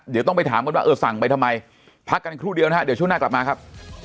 เดี๋ยวต้องไปถามกันว่าเออสั่งไปทำไมพักกันครู่เดียวนะฮะเดี๋ยวช่วงหน้ากลับมาครับ